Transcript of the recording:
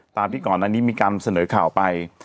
ตามที่ก่อนอันนี้มีการเสนอข่าวไป